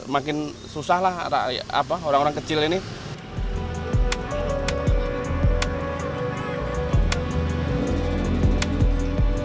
makin susah lah orang orang kecil ini